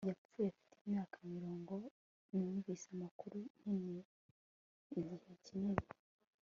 yapfuye afite imyaka mirongo numvise amakuru. nkeneye igihe kinini